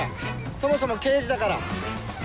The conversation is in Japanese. そもそも刑事だから。